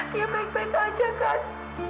dia baik baik aja kan